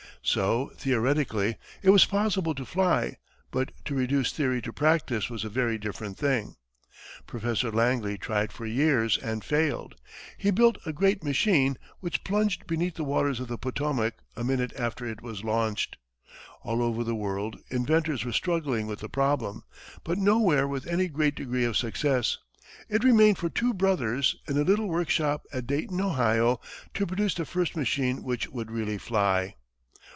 So, theoretically, it was possible to fly, but to reduce theory to practice was a very different thing. Professor Langley tried for years and failed. He built a great machine, which plunged beneath the waters of the Potomac a minute after it was launched. All over the world, inventors were struggling with the problem, but nowhere with any great degree of success. It remained for two brothers, in a little workshop at Dayton, Ohio, to produce the first machine which would really fly.